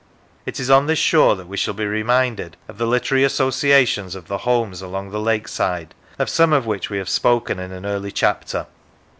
It is on this shore that we shall be reminded of the literary associations of the homes along the lakeside, of some of which we have spoken in an earlier chapter.